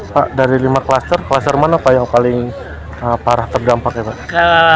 pak dari lima kluster kluster mana pak yang paling parah terdampak ya pak